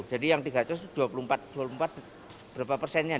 jadi yang tiga ratus itu dua puluh empat dua puluh empat berapa persennya